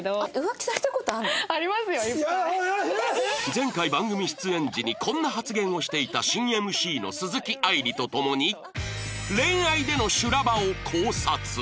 前回番組出演時にこんな発言をしていた新 ＭＣ の鈴木愛理と共に恋愛での修羅場を考察